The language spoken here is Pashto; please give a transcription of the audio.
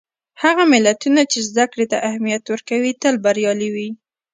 هغه ملتونه چې زدهکړې ته اهمیت ورکوي، تل بریالي وي.